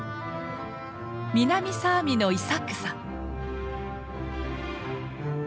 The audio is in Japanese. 南サーミのイサックさん。